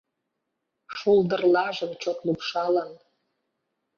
Шулдырлажым чот лупшалын